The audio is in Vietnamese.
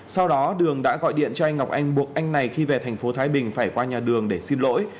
sau đó đường đã gọi điện cho anh ngọc anh buộc anh này khi về thành phố thái bình phải qua nhà đường để xin lỗi